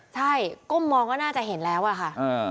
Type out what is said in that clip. ใช่ก้มมองก็น่าจะเห็นแล้วอะค่ะ